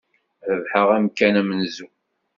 Rebḥeɣ amkan amenzu.